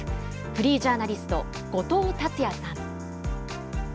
フリージャーナリスト、後藤達也さん。